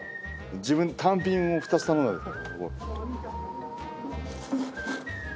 自分単品を２つ頼んだんですよ。